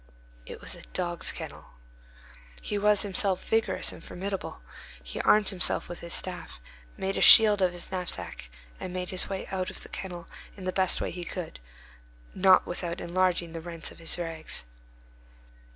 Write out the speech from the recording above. It was a dog's kennel. He was himself vigorous and formidable; he armed himself with his staff, made a shield of his knapsack, and made his way out of the kennel in the best way he could, not without enlarging the rents in his rags.